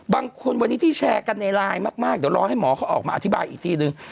บางคนวันนี้ที่แชร์กันในไลน์มากเดี๋ยวรอให้หมอเขาออกมาอธิบายอีกทีนึง